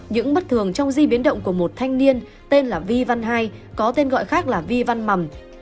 những bất thường trong di biến động của một thanh niên tên là vi văn hai có tên gọi khác là vi văn mầm